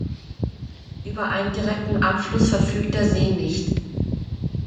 Über einen direkten Abfluss verfügt der See nicht.